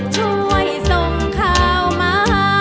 ช่วยส่งข่าวมา